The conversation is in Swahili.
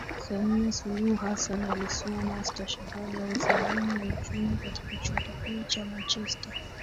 Samia Suluhu Hassan alisoma stashahada ya Uzamili ya Uchumi katika Chuo Kikuu cha Manchester